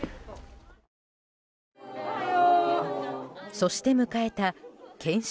そして迎えた研修